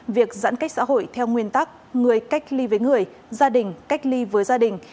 việc giãn cách xã hội theo nguyên tắc người cách ly với người gia đình cách ly với gia đình